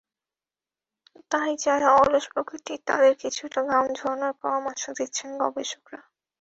তাই যাঁরা অলস প্রকৃতির, তাঁদের কিছুটা ঘাম ঝরানোর পরামর্শ দিচ্ছেন গবেষকেরা।